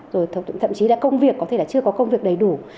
rồi thậm chí là công việc có thể là chưa có công việc đầy đủ